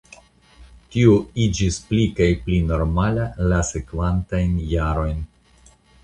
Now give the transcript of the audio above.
Tio iĝis pli kaj pli normala la sekvantajn jarojn.